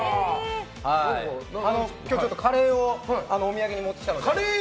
今日、カレーをお土産に持ってきたので。